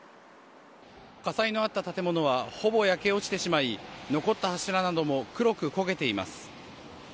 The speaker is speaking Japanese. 火災のあった建物はほぼ焼け落ちてしまい残った柱なども黒く焦げています。